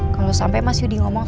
kalau sampai mas yudi ngomong